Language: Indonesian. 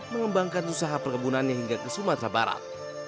menggembangkan susaha perkebunannya hingga ke sumatera barat